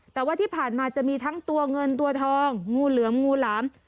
แต่ว่าที่ผ่านมาจะมีทั้งตัวเงินตัวทองงูเหลือมงูหลาม